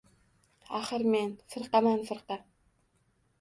— Axir, men... firqaman, firqa!